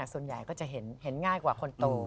ส่วนใหญ่ก็จะเห็นง่ายกว่าคนโต